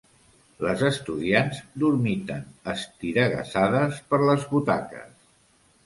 Les estudiants dormiten estiregassades per les butaques.